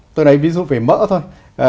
tôi lấy ví dụ về mỡ thôi